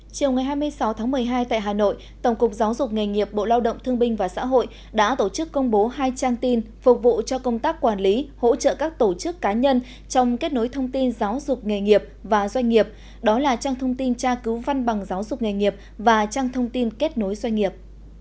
chiều ngày hai mươi sáu tháng một mươi hai tại hà nội tổng cục giáo dục nghề nghiệp bộ lao động thương binh và xã hội đã tổ chức công bố hai trang tin phục vụ cho công tác quản lý hỗ trợ các tổ chức cá nhân trong kết nối thông tin giáo dục nghề nghiệp và doanh nghiệp đó là trang thông tin tra cứu văn bằng giáo dục nghề nghiệp và trang thông tin kết nối doanh nghiệp